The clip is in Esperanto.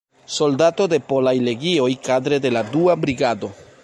Soldato de Polaj Legioj kadre de la Dua Brigado.